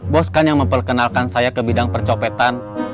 bos kan yang memperkenalkan saya ke bidang percopetan